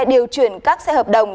điều chuyển các xe hợp đồng